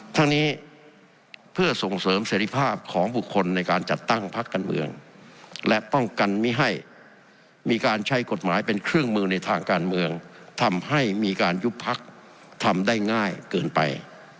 ทั้งนี้เพื่อส่งเสริมเสร็จภาพของบุคคลในการจัดตั้งพักการเมืองและป้องกันไม่ให้มีการใช้กฎหมายเป็นเครื่องมือในทางการเมืองทำให้มีการยุบพักทำได้ง่ายเกินไป